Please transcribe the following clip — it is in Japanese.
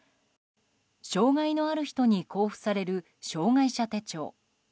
障害のある人に交付される障害者手帳。